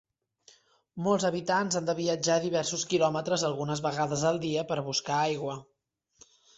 Molts habitants han de viatjar diversos quilòmetres algunes vegades al dia per a buscar aigua.